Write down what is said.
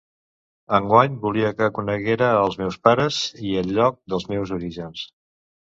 Enguany volia que coneguera els meus pares i el lloc dels meus orígens.